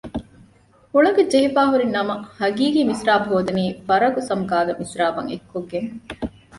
ހުޅަނގަށް ޖެހިފައި ހުރި ނަމަ ހަގީގީ މިސްރާބު ހޯދަނީ ފަރަގު ސަމުގާގެ މިސްރާބަށް އެއްކޮށްގެން